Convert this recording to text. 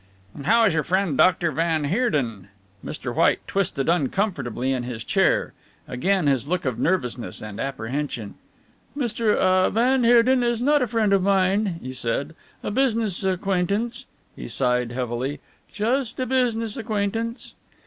"And how is your friend Doctor van Heerden?" Mr. White twisted uncomfortably in his chair. Again his look of nervousness and apprehension. "Mr. ah van Heerden is not a friend of mine," he said, "a business acquaintance," he sighed heavily, "just a business acquaintance."